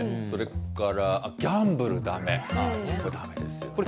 それから、ギャンブルだめ、だめですよね。